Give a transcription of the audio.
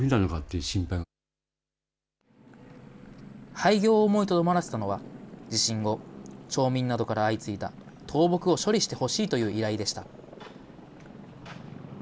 廃業を思いとどまらせたのは、地震後、町民などから相次いだ倒木を処理してほしいという依頼でした。